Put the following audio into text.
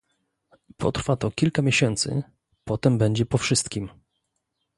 Potrwa to kilka miesięcy, potem będzie po wszystkim